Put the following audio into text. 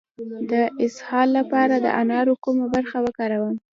د اسهال لپاره د انارو کومه برخه وکاروم؟